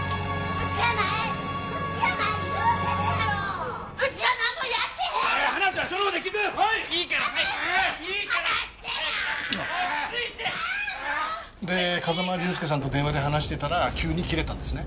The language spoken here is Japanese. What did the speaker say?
落ち着いて！で風間隆介さんと電話で話してたら急に切れたんですね？